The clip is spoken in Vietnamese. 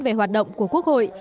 về hoạt động của quốc hội